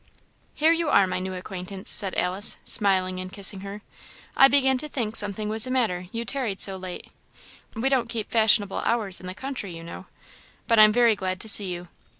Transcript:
"Here you are, my new acquaintance," said Alice, smiling and kissing her. "I began to think something was the matter, you tarried so late. We don't keep fashionable hours in the country, you know. But I'm very glad to see you.